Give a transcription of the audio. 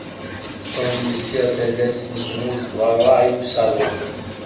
Tom yezger talast n tmurt berra i usaḍuf.